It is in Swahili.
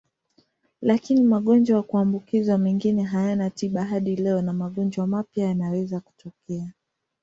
Lakini magonjwa ya kuambukizwa mengine hayana tiba hadi leo na magonjwa mapya yanaweza kutokea.